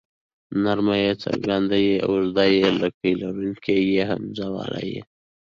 نرمه ی څرګنده ي اوږده ې لکۍ لرونکې ۍ همزه واله ئ